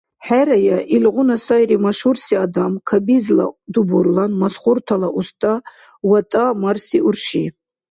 ХӀерая, илгъуна сайри машгьурси адам, кабизла дубурлан, масхуртала уста, ВатӀа марси урши.